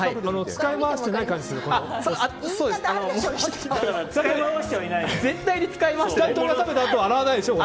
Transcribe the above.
使い回してないでしょ。